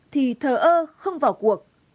thì thờ ơ không vào cuộc